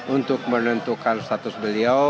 untuk menentukan status beliau